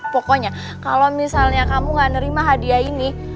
pokoknya kalau misalnya kamu gak nerima hadiah ini